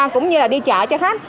cũng như là đi chợ cho khách